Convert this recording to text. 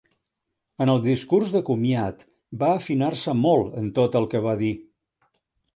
En el discurs de comiat va afinar-se molt en tot el que va dir.